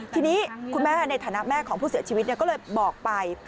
ทีนี้คุณแม่ในฐานะแม่ของผู้เสียชีวิตก็เลยบอกไป